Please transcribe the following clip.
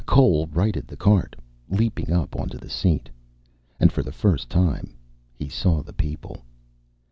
Cole righted the cart, leaping up onto the seat. And for the first time saw the people.